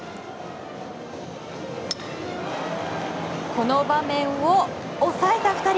この場面を抑えた２人。